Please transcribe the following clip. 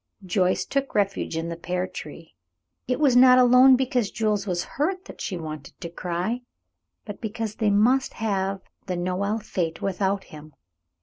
Joyce took refuge in the pear tree. It was not alone because Jules was hurt that she wanted to cry, but because they must have the Noël fête without him.